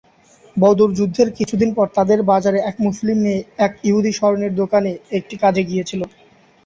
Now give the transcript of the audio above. বদর যুদ্ধের কিছুদিন পর তাদের বাজারে এক মুসলিম মেয়ে এক ইহুদি স্বর্ণের দোকানে একটি কাজে গিয়েছিল।